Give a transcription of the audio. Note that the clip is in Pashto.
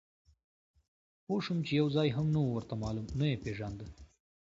پوه شوم چې یو ځای هم نه و ورته معلوم، نه یې پېژانده.